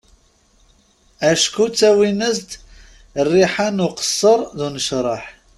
Acku ttawin-as-d rriḥa n uqessar d unecraḥ.